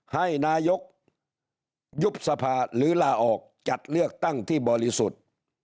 ให้นายกยุบสภาหรือลาออกจัดเลือกตั้งที่บริสุทธิ์